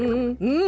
うん。